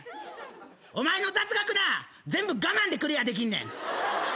お前の雑学な全部我慢でクリアできんねん。